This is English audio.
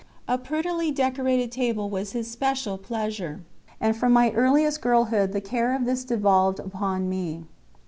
A prettily decorated table was his special pleasure, and from my earliest girlhood the care of this devolved upon me.